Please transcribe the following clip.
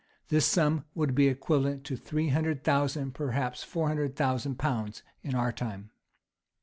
This sum would be equivalent to three hundred thousand, perhaps four hundred thousand pounds in our time.